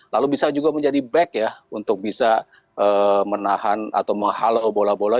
lalu bisa juga menjadi back ya untuk bisa menahan atau menghalau bola bola